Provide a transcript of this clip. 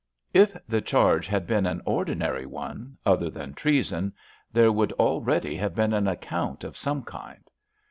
If the charge had been an ordinary one, other than treason, there would already have been an account of some kind.